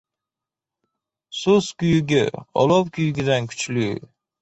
• So‘z kuyugi olov kuyugidan kuchli.